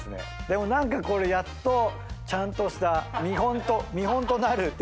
でも何かやっとちゃんとした見本となる定食が。